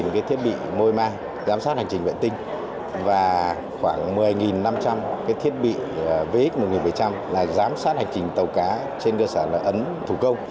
vx một nghìn bảy trăm linh là giám sát hành trình tàu cá trên cơ sản lợi ấn thủ công